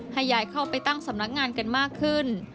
ให้ยายเข้าไปตั้งสำนักงานกันมากขึ้น